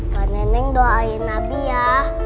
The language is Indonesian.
pak neneng doain nabi ya